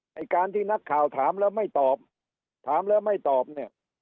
ไอ้การที่นักข่าวถามแล้วไม่ตอบถามแล้วไม่ตอบเนี่ย